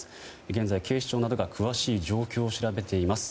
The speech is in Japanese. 現在、警視庁などが詳しい状況を調べています。